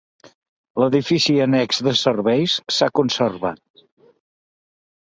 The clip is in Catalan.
L'edifici annex de serveis s'ha conservat.